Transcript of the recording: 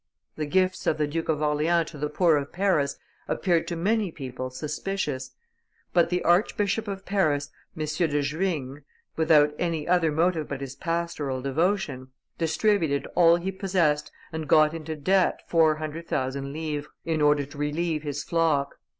The gifts of the Duke of Orleans to the poor of Paris appeared to many people suspicious; but the Archbishop of Paris, M. de Juigne, without any other motive but his pastoral devotion, distributed all he possessed, and got into debt four hundred thousand livres, in order to relieve his flock.